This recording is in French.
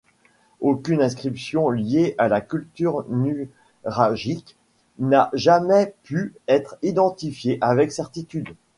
Aucune inscription liée à la culture nuragique n'a jamais pu être identifiée avec certitude.